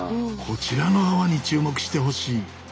こちらの泡に注目してほしい。